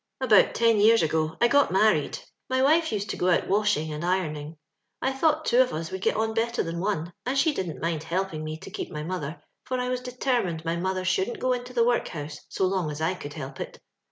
"About ten years ago I got married; my wife used to go out washing and ironing. I thought two of us would get on better than one, and she didn't mind helpin' me to keep my mother, for I was determined my mother shouldn't go into the workhouse so long as I could hdp it.